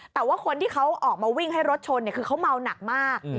แต่ว่าคนที่เขาออกมาวิ่งให้รถชนคือเขาเมาหนักมาก